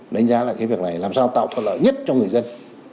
đánh giá là cái việc này làm sao tạo thuận lợi nhất cho người dân